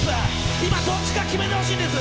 今、どっちか決めてほしいんです。